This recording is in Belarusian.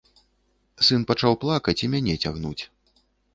Сын пачаў плакаць і мяне цягнуць.